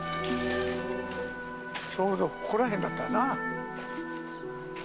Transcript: ちょうどここら辺だったな。